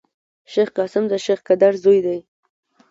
شېخ قاسم دشېخ قدر زوی دﺉ.